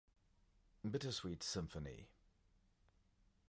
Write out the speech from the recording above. Bittersweet Symphony